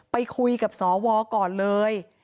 ไปคุยกับสวก่อนเลย